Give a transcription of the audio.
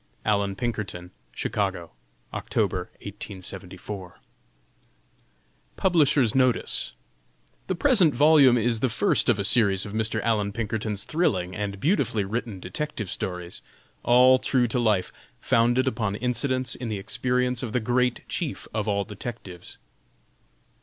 ALLAN PINKERTON. CHICAGO, October, 1874. PUBLISHERS' NOTICE. The present Volume is the first of a series of Mr. Allan Pinkerton's thrilling and beautifully written DETECTIVE STORIES, all true to life founded upon incidents in the experience of the great chief of all detectives.